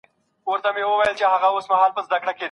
هغه په ګڼ ځای کي د ږغ سره ډوډۍ ونه راوړه.